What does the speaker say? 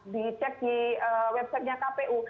dicek di websitenya kpu